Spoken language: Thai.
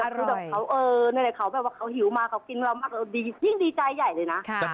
สามสิบบอโอเคไหม